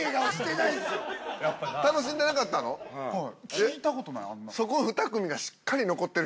聞いたことないあんま。